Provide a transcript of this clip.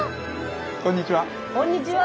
こんにちは！